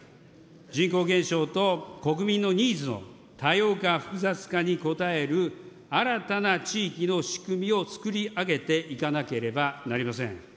人口減少と国民のニーズの多様化、複雑化に応える新たな地域の仕組みを作り上げていかなければなりません。